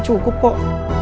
gak cukup kok